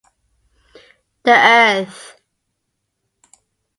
الأَرْض